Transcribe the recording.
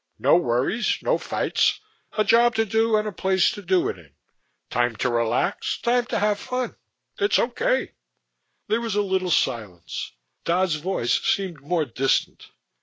"No worries, no fights, a job to do and a place to do it in, time to relax, time to have fun. It's okay." There was a little silence. Dodd's voice seemed more distant.